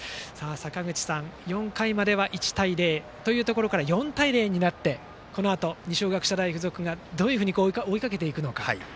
坂口さん、４回までは１対０というところから４対０になってこのあと二松学舎大付属がどういうふうに追いかけるか。